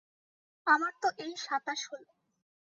আমার তো এই সাতাশ হল।